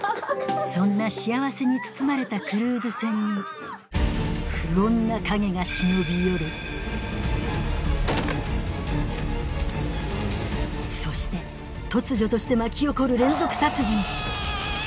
そんな幸せに包まれたクルーズ船に不穏な影が忍び寄るそして突如として巻き起こる連続殺人うわぁ！